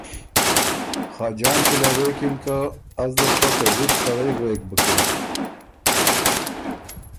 خاجان کی له غوېکِن که ”ازدل خه ته زُت سړئ غوېک بُکِن